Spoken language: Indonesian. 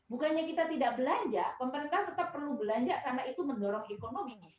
bukannya kita tidak belanja pemerintah tetap perlu belanja karena itu mendorong ekonominya